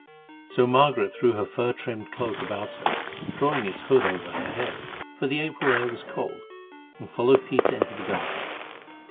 So Margaret threw her fur trimmed cloak about her, drawing its hood over her head, for the April air was cold, and followed Peter into the garden.